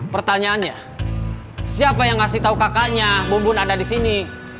pertanyaannya siapa yang ngasih tahu kakaknya bumbun ada di sini